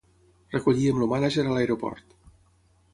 Recollíem el mànager a l'aeroport.